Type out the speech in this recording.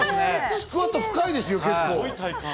スクワット深いですよ。